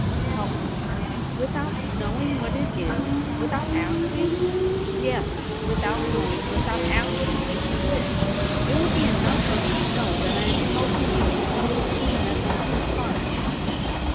' Help me ? Without knowing what it Is ? without asking ?'' Yes,' without knowing — without asking, if you wish. It will be enough for me to know that I am helping you In some scheme that holds your heart.'